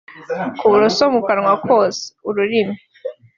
kuborosa mu kanwa hose (ururimi